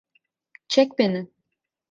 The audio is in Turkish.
Çek beni!